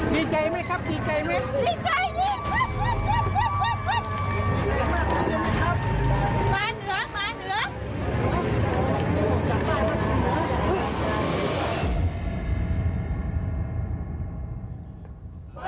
ดีใจไหมครับดีใจไหม